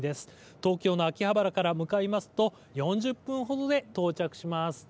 東京の秋葉原から向かいますと４０分ほどで到着します。